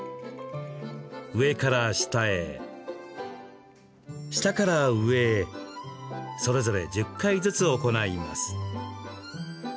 上から下へ、下から上へそれぞれ１０回ずつ行います。